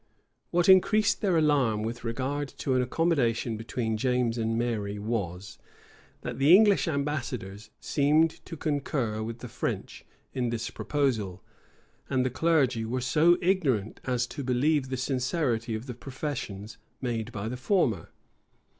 [*]* Spotswood, p. 324. What increased their alarm with regard to an accommodation between James and Mary was, that the English ambassadors seemed to concur with the French in this proposal; and the clergy were so ignorant as to believe the sincerity of the professions made by the former.